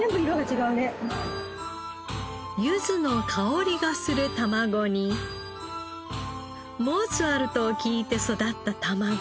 ゆずの香りがするたまごにモーツァルトを聴いて育ったたまご。